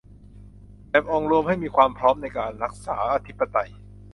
แบบองค์รวมให้มีความพร้อมในการรักษาอธิปไตย